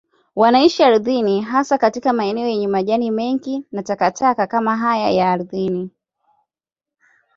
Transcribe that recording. Wanaishi ardhini, haswa katika maeneo yenye majani mengi na takataka kama haya ardhini.